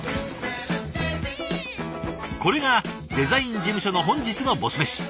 これがデザイン事務所の本日のボス飯。